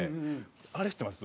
あれ知ってます？